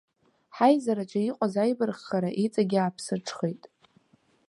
Ҳаизараҿы иҟаз аибарххара иҵегь иааԥсыҽхеит.